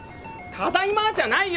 「ただいま」じゃないよ！